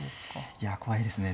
いや怖いですね。